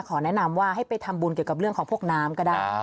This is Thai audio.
แนะนำว่าให้ไปทำบุญเกี่ยวกับเรื่องของพวกน้ำก็ได้